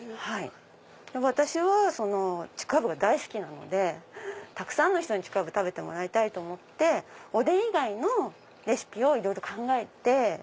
私はちくわぶが大好きなのでたくさんの人にちくわぶ食べてもらいたいと思っておでん以外のレシピをいろいろ考えて。